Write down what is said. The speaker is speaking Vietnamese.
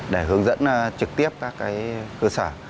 để hướng dẫn trực tiếp các cơ sở